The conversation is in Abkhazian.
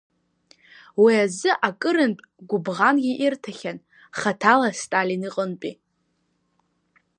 Уи азы акырынтә гәыбӷангьы ирҭахьан, хаҭала Сталин иҟынтәи.